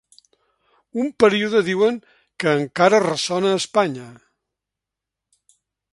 Un període, diuen, “que encara ressona a Espanya”.